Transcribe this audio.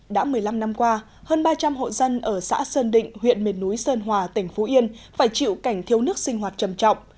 đã một mươi năm năm qua hơn ba trăm linh hộ dân ở xã sơn định huyện miền núi sơn hòa tỉnh phú yên phải chịu cảnh thiếu nước sinh hoạt trầm trọng